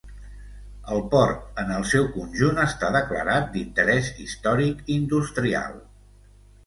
El port en el seu conjunt està declarat d'interès històric-industrial.